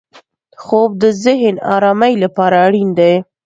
خوب د ذهن ارامۍ لپاره اړین دی